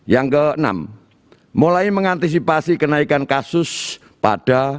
yang ke enam mulai mengantisipasi kenaikan kasus pada